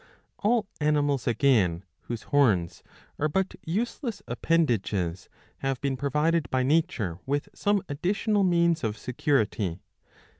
* All animals again whose horns are but useless appendages have been provided by nature with some additional means of security.